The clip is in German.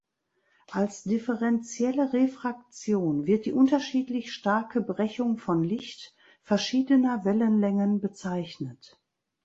Als differentielle Refraktion wird die unterschiedlich starke Brechung von Licht verschiedener Wellenlängen bezeichnet.